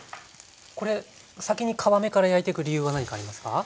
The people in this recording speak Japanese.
これ先に皮目から焼いてく理由は何かありますか？